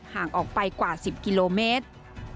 ห่างออกไปกว่า๑๐กิโลเมตร